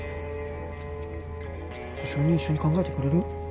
保証人一緒に考えてくれる？